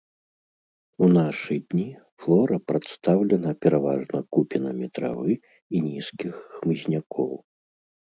У нашы дні флора прадстаўлена пераважна купінамі травы і нізкіх хмызнякоў.